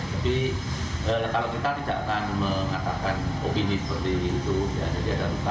tapi kalau kita tidak akan mengatakan opini seperti itu ya jadi ada luka